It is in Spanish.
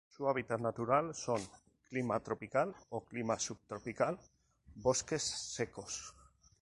Su hábitat natural son: clima tropical o clima subtropical, bosques secos.